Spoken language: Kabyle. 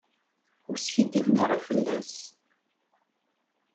Ur skiddiben ara fell-as.